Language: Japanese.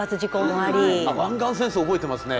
あっ湾岸戦争覚えてますね